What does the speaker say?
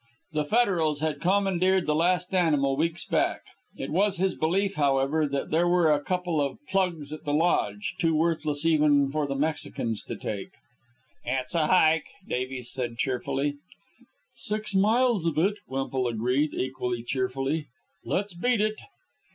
The federals had commandeered the last animal weeks back. It was his belief, however, that there were a couple of plugs at the lodge, too worthless even for the Mexicans to take. "It's a hike," Davies said cheerfully. "Six miles of it," Wemple agreed, equally cheerfully. "Let's beat it."